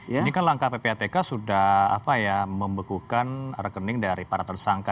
ini kan langkah ppatk sudah membekukan rekening dari para tersangka